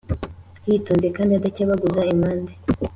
yitonze kandi adakebaguza impande